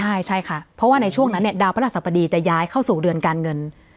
ใช่ใช่ค่ะเพราะว่าในช่วงนั้นเนี่ยดาวพระราชสัปดีจะย้ายเข้าสู่เดือนการเงิน